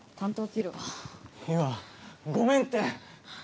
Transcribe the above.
優愛ごめんって！